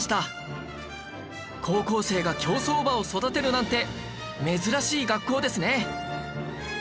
高校生が競走馬を育てるなんて珍しい学校ですね